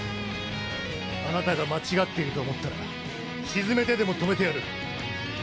あなたが間違っていると思ったら沈めてでも止めてやる。